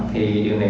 thì điều này